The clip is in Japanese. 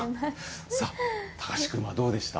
貴司君はどうでした？